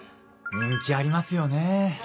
人気ありますよね。